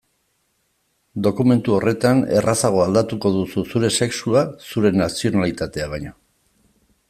Dokumentu horretan errazago aldatuko duzu zure sexua zure nazionalitatea baino.